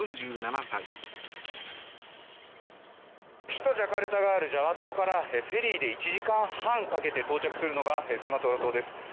首都ジャカルタがあるジャワ島からフェリーで１時間半かけて到着するのがスマトラ島です。